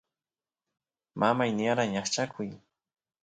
mamay niyara ñaqchakuy